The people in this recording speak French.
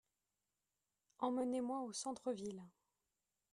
Emmenez-moi au centre-ville.